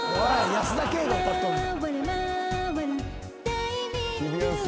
保田圭が歌ってんねん。